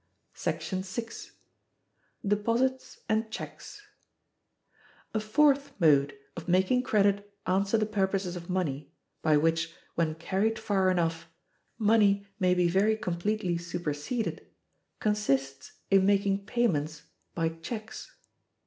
§ 6. Deposits and Checks. A fourth mode of making credit answer the purposes of money, by which, when carried far enough, money may be very completely superseded, consists in making payments by checks.